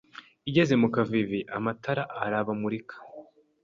igeze mu kavivi amatara arabamurikira